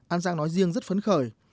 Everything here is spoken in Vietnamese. an giang nói riêng rất phấn khởi